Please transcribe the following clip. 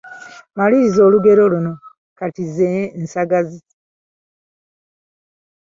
Maliriza olugero luno: “…., kati ze nsagazi”.